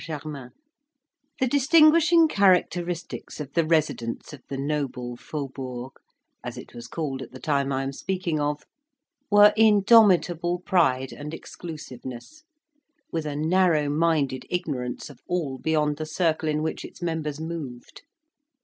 GERMAIN The distinguishing characteristics of the residents of the "noble Faubourg," as it was called at the time I am speaking of, were indomitable pride and exclusiveness, with a narrow minded ignorance of all beyond the circle in which its members moved.